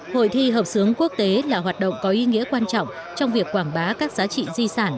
hội thi hợp xướng quốc tế là hoạt động có ý nghĩa quan trọng trong việc quảng bá các giá trị di sản